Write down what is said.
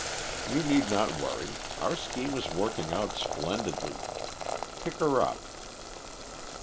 You need not worry; our scheme is working out splendidly. Pick her up."